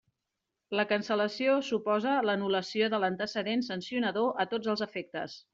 La cancel·lació suposa l'anul·lació de l'antecedent sancionador a tots els efectes.